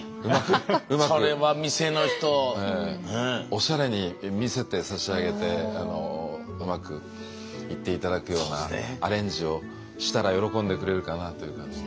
おしゃれに見せてさしあげてうまくいって頂くようなアレンジをしたら喜んでくれるかなという感じ。